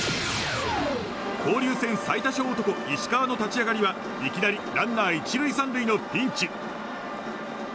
交流戦最多勝男石川の立ち上がりはいきなりランナー１塁３塁のピンチ。